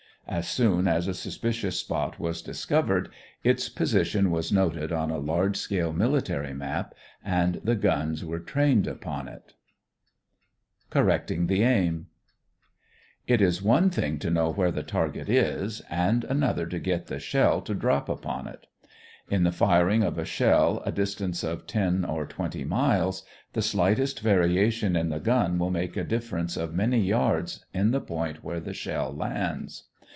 As soon as a suspicious spot was discovered, its position was noted on a large scale military map and the guns were trained upon it. [Illustration: (C) Kadel & Herbert A British Aviator making Observations over the German Lines] CORRECTING THE AIM It is one thing to know where the target is and another to get the shell to drop upon it. In the firing of a shell a distance of ten or twenty miles, the slightest variation in the gun will make a difference of many yards in the point where the shell lands.